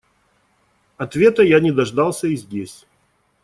Ответа я не дождался и здесь.